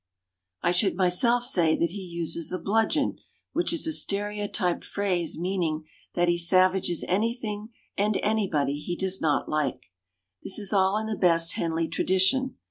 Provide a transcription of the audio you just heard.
I should myself say that he uses a bludgeon, which is a stereotyped phrase meaning that he savages ansrthing and anybody he does not like. This is all in the best Henley tradition.